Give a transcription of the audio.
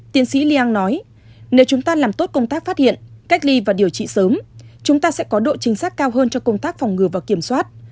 tiến sĩ liang nói nếu chúng ta làm tốt công tác phát hiện cách ly và điều trị sớm chúng ta sẽ có độ chính xác cao hơn cho công tác phòng ngừa và kiểm soát